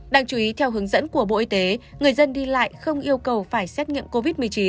đáng chú ý theo hướng dẫn của bộ y tế người dân đi lại không yêu cầu phải xét nghiệm covid một mươi chín